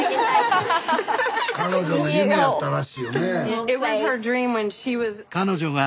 彼女の夢やったらしいよね。